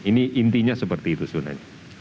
ini intinya seperti itu sebenarnya